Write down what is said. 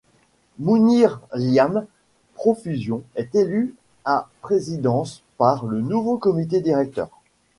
Mounire Lyame, pro-fusion, est élu à présidence par le nouveau comité directeur.